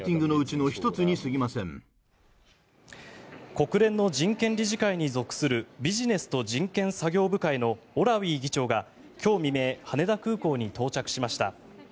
国連の人権理事会に属するビジネスと人権作業部会のオラウィ議長が今日未明羽田空港に到着しました。